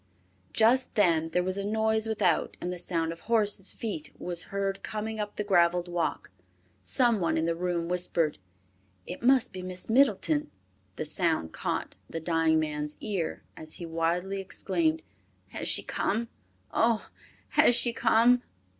Just then there was a noise without, and the sound of horses' feet was heard coming up the graveled walk. Some one in the room whispered, "It must be Miss Middleton." The sound caught the dying man's ear and he wildly exclaimed, "Has she come? Oh! Has she come?"